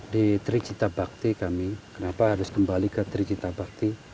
di tri cita bakti kami kenapa harus kembali ke tri cita bakti